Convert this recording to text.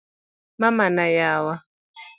mama na yawa